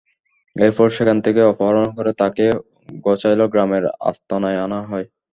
এরপর সেখান থেকে অপহরণ করে তাঁকে গছাইল গ্রামের আস্তানায় আনা হয়।